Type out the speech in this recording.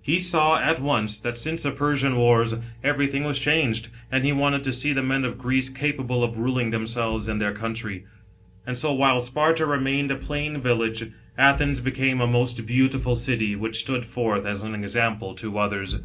He saw at once that, since the Persian wars, every thing was changed, and he wanted to see the B.C. 450.] THE GREATNESS OF A r HENS. 107 men of Greece capable of ruling themselves and their country. And so while Sparta remained a plain village, Athens became a most beautiful city, which stood forth as an example to others.